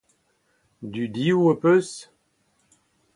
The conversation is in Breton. Dudioù az peus ?